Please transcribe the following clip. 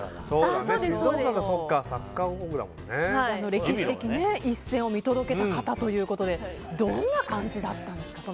あの歴史的一戦を見届けた方ということでどんな感じだったんですか？